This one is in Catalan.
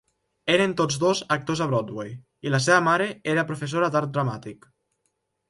Eren tots dos actors a Broadway, i la seva mare era professora d'art dramàtic.